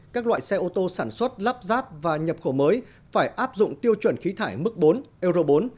các loại xe ô tô sản xuất lắp ráp và nhập khẩu mới phải áp dụng tiêu chuẩn khí thải mức bốn euro bốn